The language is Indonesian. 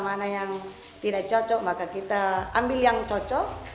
mana yang tidak cocok maka kita ambil yang cocok